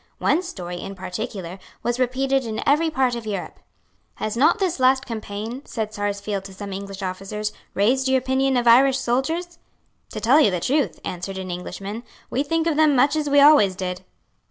One story, in particular, was repeated in every part of Europe. "Has not this last campaign," said Sarsfield to some English officers, "raised your opinion of Irish soldiers?" "To tell you the truth," answered an Englishman, "we think of them much as we always did."